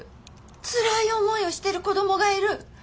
つらい思いをしている子供がいる。